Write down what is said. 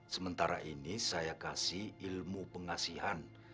sementara ini saya kasih ilmu pengasihan